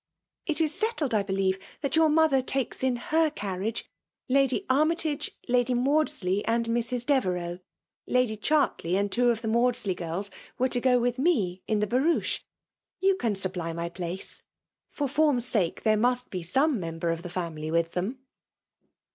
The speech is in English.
Itis^iettM, IbelieiFei thafc j«our mother takes in her cor* Tiflfge Lady Annytagc, Lady Maodsldy, andr Mv»^ Devercux; Lady Chartley and two of the Maudsley girls were to go with: rAe in the b«Boache; you. can supply my place. Rmt fom'a sake, there must be some member of tho' family with them.'